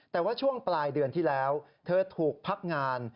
แต่ว่าช่วงปลายเดือนที่แล้วเธอถูกพักงาน